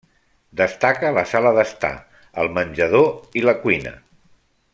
Destaca la sala d'estar, el menjador i la cuina.